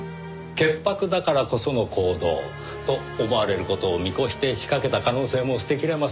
潔白だからこその行動と思われる事を見越して仕掛けた可能性も捨てきれません。